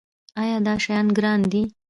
ایا دا شیان ګران دي؟